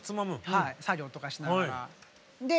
はい作業とかしながら。